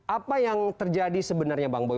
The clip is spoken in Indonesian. apa yang terjadi sebenarnya bang boy